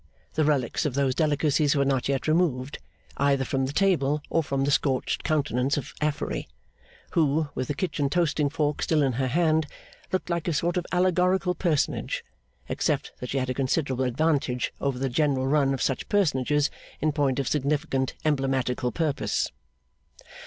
The relics of those delicacies were not yet removed, either from the table or from the scorched countenance of Affery, who, with the kitchen toasting fork still in her hand, looked like a sort of allegorical personage; except that she had a considerable advantage over the general run of such personages in point of significant emblematical purpose.